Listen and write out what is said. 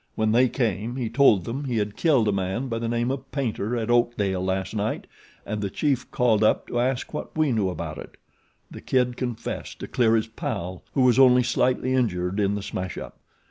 When they came he told them he had killed a man by the name of Paynter at Oakdale last night and the chief called up to ask what we knew about it. The Kid confessed to clear his pal who was only slightly injured in the smash up.